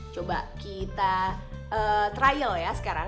coba kita trial ya sekarang